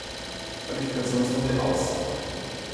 Qualifikationsrunde aus.